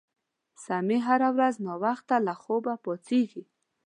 سمیع هره ورځ ناوخته له خوبه پاڅیږي